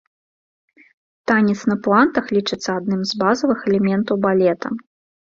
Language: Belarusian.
Танец на пуантах лічыцца адным з базавых элементаў балета.